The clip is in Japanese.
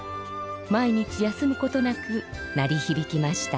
毎日休むことなく鳴りひびきました。